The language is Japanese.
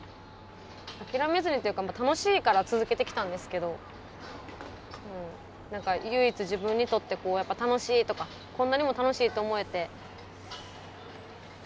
諦めずにっていうか楽しいから続けてきたんですけど何か唯一自分にとって楽しいとかこんなにも楽しいと思えてギターも苦手ですけどまだまだ。